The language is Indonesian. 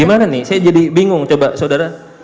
gimana nih saya jadi bingung coba saudara